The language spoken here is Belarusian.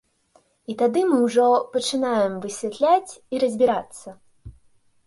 І тады мы ўжо пачынаем высвятляць і разбірацца.